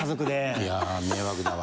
いや迷惑だわ。